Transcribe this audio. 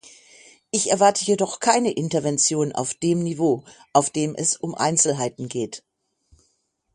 Ich erwarte jedoch keine Intervention auf dem Niveau, auf dem es um Einzelheiten geht.